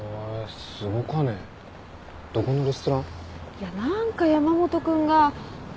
いや何か山本君が。